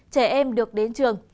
trẻ em được đến trường